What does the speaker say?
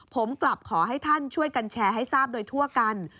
ผมกลับขอให้ท่านช่วยกันแชร์ให้ทราบโดยทั่วกัน